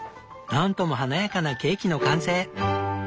何とも華やかなケーキの完成！